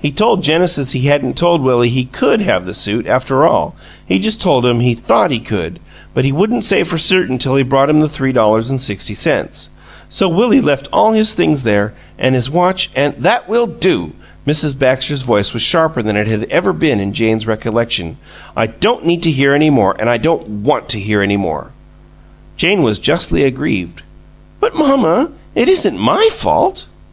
He told Genesis he hadn't told Willie he COULD have the suit, after all; he just told him he THOUGHT he could, but he wouldn't say for certain till he brought him the three dollars an' sixty cents. So Willie left all his things there, an' his watch an " "That will do!" Mrs. Baxter's voice was sharper than it had ever been in Jane's recollection. "I don't need to hear any more and I don't WANT to hear any more!" Jane was justly aggrieved. "But, mamma, it isn't MY fault!"